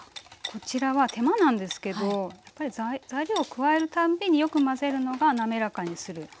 こちらは手間なんですけどやっぱり材料を加える度によく混ぜるのが滑らかにするポイントですね。